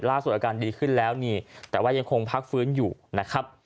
อาการดีขึ้นแล้วนี่แต่ว่ายังคงพักฟื้นอยู่นะครับ